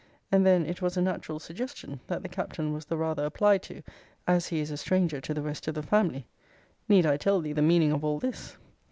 And then it was a natural suggestion, that the Captain was the rather applied to, as he is a stranger to the rest of the family Need I tell thee the meaning of all this?